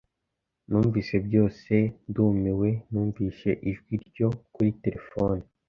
Numvise byose ndumiwe numvise ijwi rya Ryo kuri terefone.